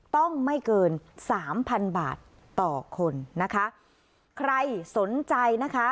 ต้องไม่เกินสามพันบาทต่อคนนะคะใครสนใจนะคะ